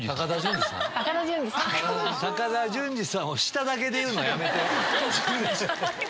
高田純次さんを下だけで言うのはやめて。